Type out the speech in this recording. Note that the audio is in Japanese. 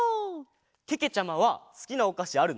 けけちゃまはすきなおかしあるの？